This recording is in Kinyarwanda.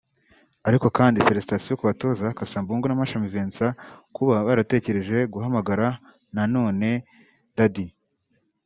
Ariko kandi Félicitation ku batoza Kassa Mbungo na Mashami Vincent kuba baratekereje guhamagara na none Dady